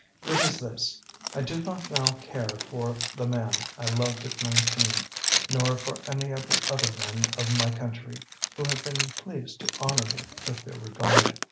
It is this: I do not now care for the man I loved at nineteen, nor for any of the other men of my country who have been pleased to honor me with their regard.